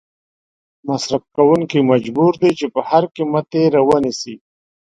مصرف کوونکې مجبور دي چې په هر قیمت یې را ونیسي.